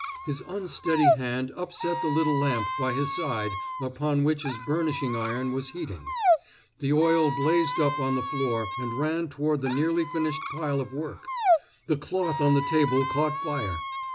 His unsteady hand upset the little lamp by his side, upon which his burnishing iron was heating. The oil blazed up on the floor and ran toward the nearly finished pile of work. The cloth on the table caught fire.